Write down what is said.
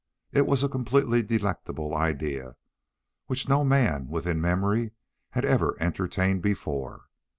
It was a completely delectable idea, which no man within memory had ever entertained before.